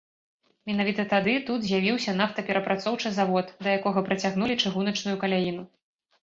Менавіта тады тут з'явіўся нафтаперапрацоўчы завод, да якога працягнулі чыгуначную каляіну.